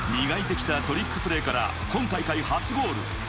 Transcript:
磨いてきたトリックプレーから今大会初ゴール。